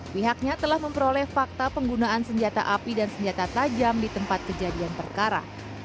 pihaknya telah memperoleh fakta penggunaan senjata api dan senjata tajam di tempat kejadian perkara